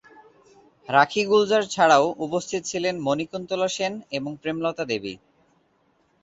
রাখী গুলজার ছাড়াও উপস্থিত ছিলেন মণিকুন্তলা সেন এবং প্রেমলতা দেবী।